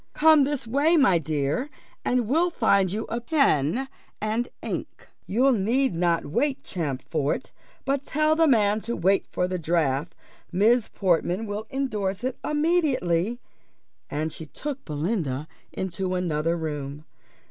"Come this way, my dear, and we'll find you a pen and ink. You need not wait, Champfort; but tell the man to wait for the draft Miss Portman will endorse it immediately." And she took Belinda into another room.